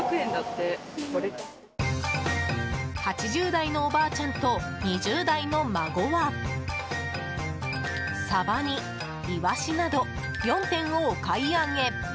８０代のおばあちゃんと２０代の孫はサバにイワシなど４点をお買い上げ。